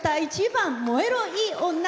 １番「燃えろいい女」